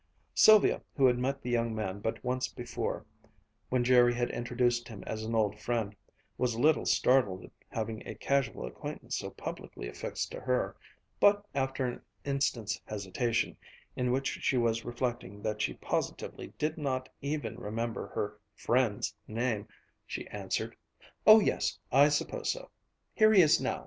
Sylvia, who had met the young man but once before, when Jerry had introduced him as an old friend, was a little startled at having a casual acquaintance so publicly affixed to her; but after an instant's hesitation, in which she was reflecting that she positively did not even remember her "friend's" name, she answered, "Oh yes, yes, I suppose so here he is now."